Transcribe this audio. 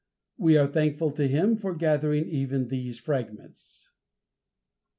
We are thankful to him for gathering even these rare fragments.